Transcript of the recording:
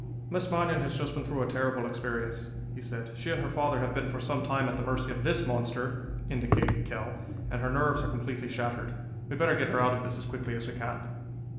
"Miss Manion has just been through a terrible experience," he said. "She and her father have been for some time at the mercy of this monster" indicating Kell "and her nerves are completely shattered. We'd better get her out of this as quickly as we can."